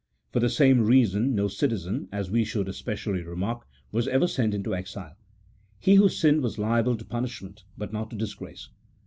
For the same reason no citizen, as we should especially remark, was ever sent into exile : he who sinned was liable to punishment, but not to disgrace.